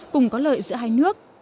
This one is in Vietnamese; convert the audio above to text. cùng có lợi giữa hai nước